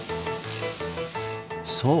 そう！